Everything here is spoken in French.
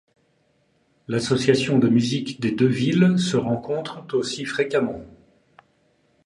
L'association de musique des deux villes se rencontrent aussi fréquemment.